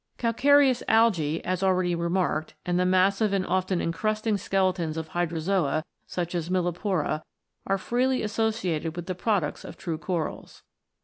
Calcareous algse, as already re marked, and the massive and often encrusting skeletons of hydrozoa, such as Millepora, are freely associated with the products of true corals.